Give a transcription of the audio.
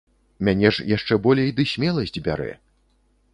Мяне ж яшчэ болей ды смеласць бярэ.